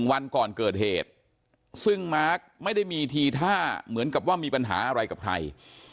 วันก่อนเกิดเหตุซึ่งมาร์คไม่ได้มีทีท่าเหมือนกับว่ามีปัญหาอะไรกับใคร